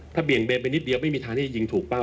ถ้าเบี่ยงเบนไปนิดเดียวไม่มีทางที่จะยิงถูกเป้า